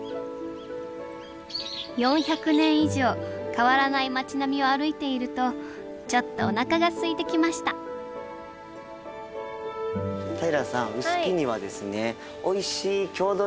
４００年以上変わらない町並みを歩いているとちょっとおなかがすいてきました平さんおっ。